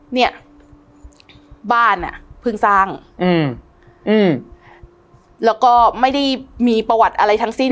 เนี่ยบ้านอ่ะเพิ่งสร้างอืมอืมแล้วก็ไม่ได้มีประวัติอะไรทั้งสิ้น